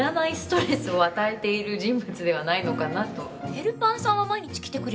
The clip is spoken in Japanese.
ヘルパーさんは毎日来てくれると思う。